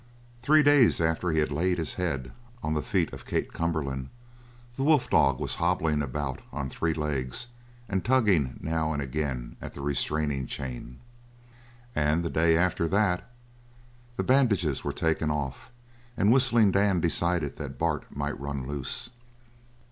Three days after he had laid his head on the feet of Kate Cumberland, the wolf dog was hobbling about on three legs and tugging now and again at the restraining chain; and the day after that the bandages were taken off and Whistling Dan decided that Bart might run loose.